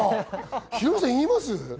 ヒロミさんは言いますか？